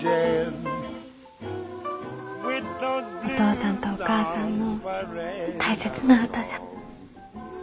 お父さんとお母さんの大切な歌じゃ。